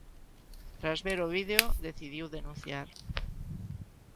Tras ver o vídeo, decidiu denunciar.